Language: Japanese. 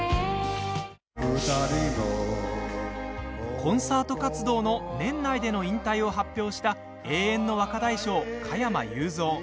コンサート活動の年内での引退を発表した永遠の若大将・加山雄三。